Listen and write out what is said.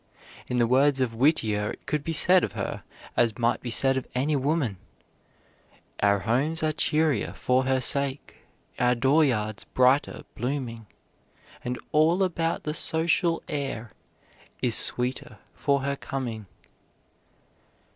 In the words of Whittier it could be said of her as might be said of any woman: Our homes are cheerier for her sake, Our door yards brighter blooming, And all about the social air Is sweeter for her coming.